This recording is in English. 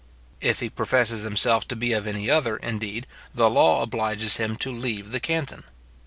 If he professes himself to be of any other, indeed, the law obliges him to leave the canton.